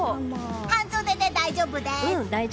半袖で大丈夫です！